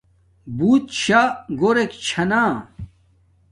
بوت شا گھورک چھانا